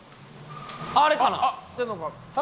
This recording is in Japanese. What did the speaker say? あれかな？